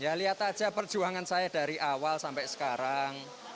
ya lihat aja perjuangan saya dari awal sampai sekarang